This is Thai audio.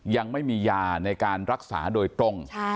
ยังไม่มียาในการรักษาโดยตรง